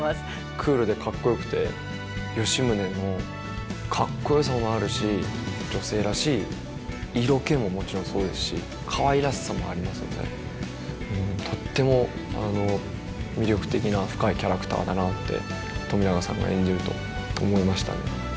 クールでかっこよくて吉宗のかっこよさもあるし女性らしい色気ももちろんそうですしかわいらしさもありますのでとっても魅力的な深いキャラクターだなって冨永さんが演じると思いましたね。